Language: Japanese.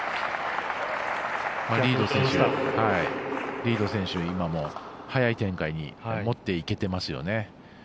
リード選手、今も早い展開に持っていけてますよね。